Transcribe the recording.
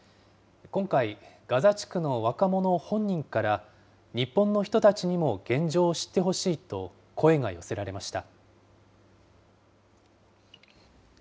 今回、ガザ地区の若者本人から、日本の人たちにも現状を知ってほしいと声が寄せられました。